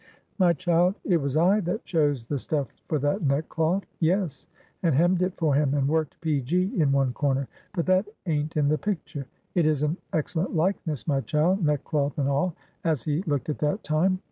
"My child, it was I that chose the stuff for that neckcloth; yes, and hemmed it for him, and worked P. G. in one corner; but that aint in the picture. It is an excellent likeness, my child, neckcloth and all; as he looked at that time.